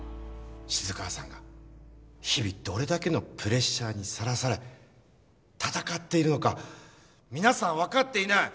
静川さんが日々どれだけのプレッシャーにさらされ闘っているのか皆さん分かっていない。